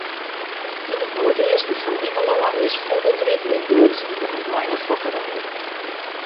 Yn it noardeasten fan Ingelân is fûgelgryp útbrutsen op in einefokkerij.